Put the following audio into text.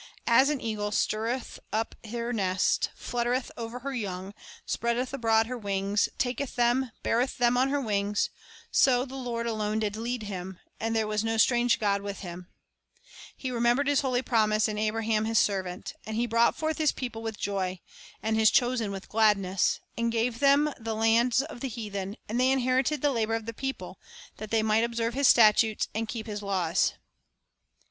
As an eagle 1 Num. 10:35, 36. 2 Ex. 15:21. 3 Deut. 8:5, 2. Music and Song Purpose of God's Discipline 40 Illustrations stirreth up her nest, fluttereth over her young, spreadeth abroad her wings, taketh them, beareth them on her wings; so the Lord alone did lead him, and there was no strange god with him." 1 " He remembered His holy promise, and Abraham His servant. And He brought forth His people with joy, and His chosen with gladness; and gave them the lands of the heathen; and they inherited the labor of the people; that they might observe His statutes, and keep His laws."